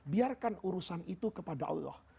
biarkan urusan itu kepada allah